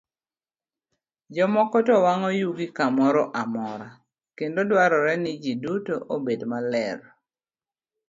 Jomoko to wang'o yugi kamoro amora, kendo dwarore ni ji duto obed maler.